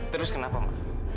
terus kenapa ma